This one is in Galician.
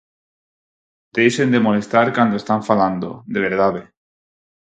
Deixen de molestar cando están falando, de verdade.